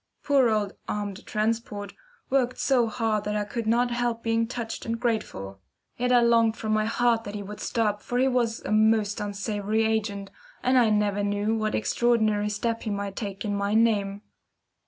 Poor old "armed transport" worked so hard that I could not help being touched and grateful; yet I longed from my heart that he would stop for he was a most unsavoury agent, and I never knew what extraordinary step he might take in my name.